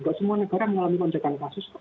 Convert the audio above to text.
tidak semua negara mengalami konjakan kasus